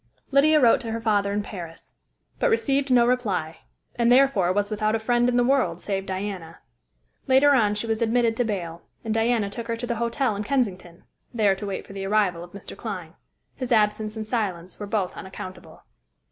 Lydia wrote to her father in Paris, but received no reply, and therefore was without a friend in the world save Diana. Later on she was admitted to bail, and Diana took her to the hotel in Kensington, there to wait for the arrival of Mr. Clyne. His absence and silence were both unaccountable.